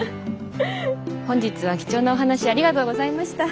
本日は貴重なお話ありがとうございました。